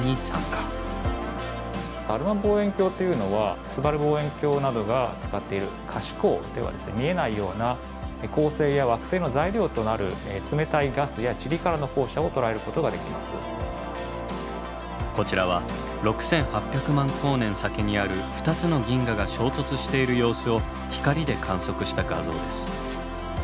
アルマ望遠鏡というのはすばる望遠鏡などが使っている可視光では見えないようなこちらは６，８００万光年先にある２つの銀河が衝突している様子を光で観測した画像です。